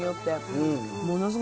うん！